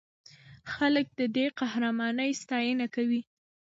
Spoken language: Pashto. خلک د دې قهرمانۍ ستاینه کوي.